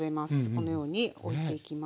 このようにおいていきます。